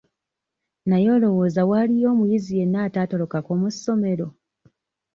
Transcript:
Naye olowooza waaliyo omuyizi yenna ataatolokako mu ssomero?